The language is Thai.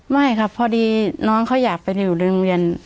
ไม่ครับพอดีน้องเขาอยากไปอยู่ในโรงเรียน